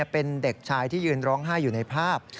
เป็นเด็กชายที่ยืนร้องไห้อยู่ในภาพ